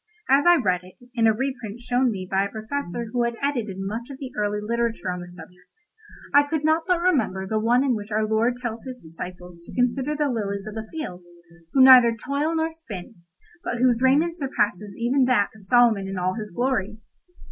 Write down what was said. As I read it, in a reprint shown me by a Professor who had edited much of the early literature on the subject, I could not but remember the one in which our Lord tells His disciples to consider the lilies of the field, who neither toil nor spin, but whose raiment surpasses even that of Solomon in all his glory.